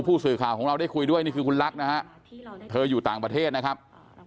ผู้สื่อข่าวของเราได้คุยด้วยนี่คือคุณลักษณ์นะฮะเธออยู่ต่างประเทศนะครับ